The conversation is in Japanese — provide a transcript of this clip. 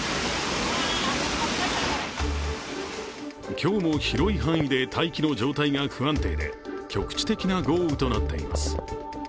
今日も広い範囲で大気の状態が不安定で局地的な豪雨となっています。